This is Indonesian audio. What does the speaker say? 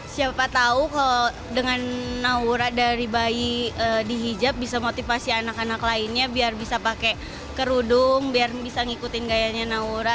siapa tahu kalau dengan naura dari bayi di hijab bisa motivasi anak anak lainnya biar bisa pakai kerudung biar bisa ngikutin gayanya naura